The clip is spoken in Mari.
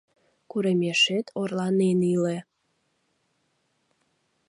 Курымешет орланен иле!..